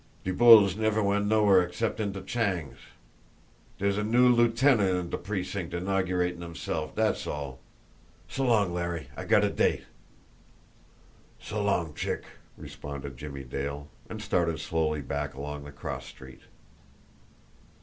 De bulls never went nowhere except into Chang's. Dere's a new lootenant in de precinct inaugeratin' himself, dat's all. S'long, Larry I gotta date." "S'long, Chick!" responded Jimmie Dale and started slowly back along the cross street.